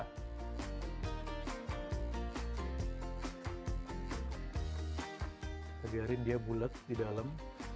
kita biarin dia bulet di dalam